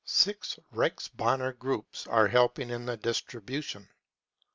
Six Reichsbanner groups are helping in the distribu tion.